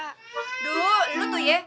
aduh lo tuh ya